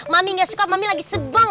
mami nggak suka mami lagi sebol